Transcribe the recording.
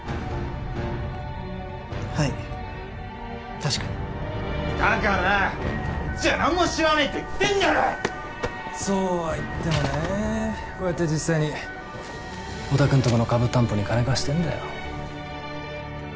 はい確かにだからこっちは何も知らねえって言ってんだろそうは言ってもねえこうやって実際におたくんとこの株担保に金貸してんだよ